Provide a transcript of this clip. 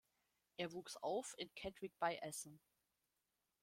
Er wuchs auf in Kettwig bei Essen.